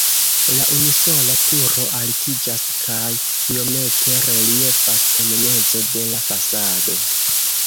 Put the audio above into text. La unusola turo altiĝas kaj iomete reliefas en mezo de la fasado.